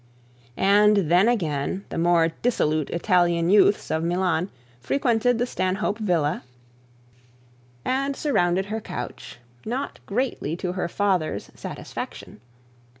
And then again the more dissolute Italian youths of Milan frequented the Stanhope villa and surrounded her couch, not greatly to her father's satisfaction.